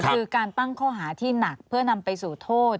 คือการตั้งข้อหาที่หนักเพื่อนำไปสู่โทษ